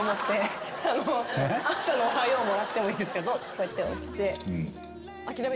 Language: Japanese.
こうやって起きて。